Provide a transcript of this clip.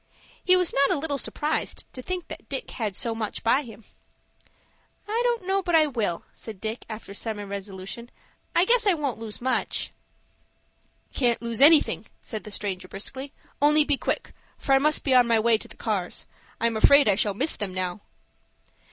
He was not a little surprised to think that Dick had so much by him. "I don't know but I will," said Dick, after some irresolution. "I guess I won't lose much." "You can't lose anything," said the stranger briskly. "Only be quick, for I must be on my way to the cars. I am afraid I shall miss them now."